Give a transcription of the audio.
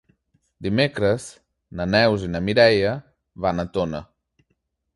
Dimecres na Neus i na Mireia van a Tona.